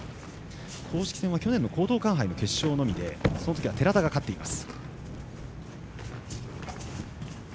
公式戦は去年の講道館杯の決勝のみでそのときは寺田が勝っています。